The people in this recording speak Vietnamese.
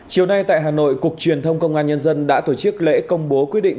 chiều nay tại hà nội cục truyền thông công an nhân dân đã tổ chức lễ công bố quyết định